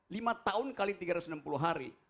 lima tahun kali tiga ratus enam puluh hari